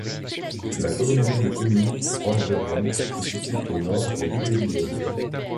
La communauté de communes, proche de Rennes, se situe au nord de l'Ille-et-Vilaine.